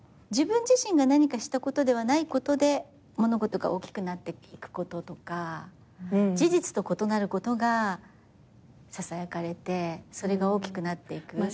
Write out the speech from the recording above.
自分自身が何かしたことではないことで物事が大きくなっていくこととか事実と異なることがささやかれてそれが大きくなっていく。